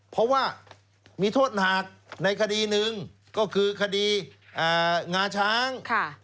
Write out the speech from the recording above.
เพราะว่ามีโทษหนักในคดีหนึ่งก็คือคดีงาช้าง